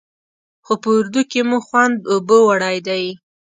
خو په اردو کې مو خوند اوبو وړی دی.